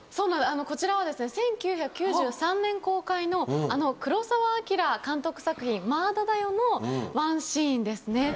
こちらはですね１９９３年公開のあの黒澤明監督作品『まあだだよ』のワンシーンですね。